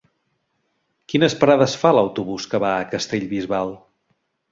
Quines parades fa l'autobús que va a Castellbisbal?